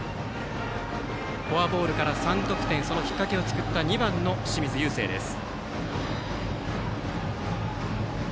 フォアボールから３得点そのきっかけを作った２番の清水友惺です。